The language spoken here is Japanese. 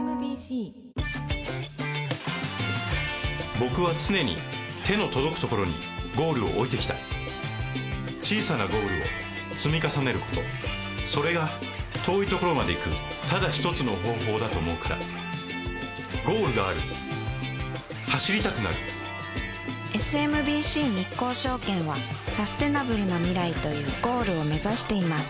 僕は常に手の届くところにゴールを置いてきた小さなゴールを積み重ねることそれが遠いところまで行くただ一つの方法だと思うからゴールがある走りたくなるＳＭＢＣ日興証券はサステナブルな未来というゴールを目指しています